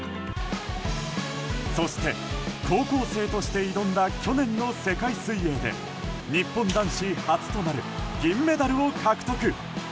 そして、高校生として挑んだ去年の世界水泳で日本男子初となる銀メダルを獲得。